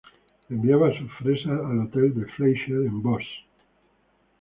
Enviaba sus fresas al hotel de Fleischer en Voss.